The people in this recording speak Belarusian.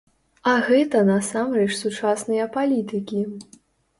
А гэта насамрэч сучасныя палітыкі.